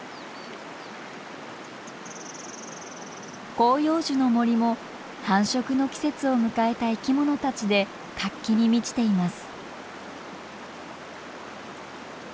広葉樹の森も繁殖の季節を迎えた生きものたちで活気に満ちています。